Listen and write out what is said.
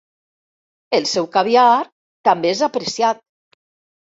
El seu caviar també és apreciat.